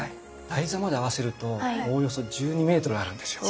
台座まで合わせるとおおよそ１２ｍあるんですよ。